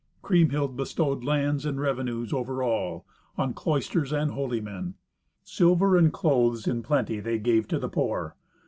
Kriemhild bestowed lands and revenues over all, on cloisters and holy men. Silver and clothes in plenty they gave to the poor.